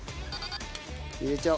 入れちゃお。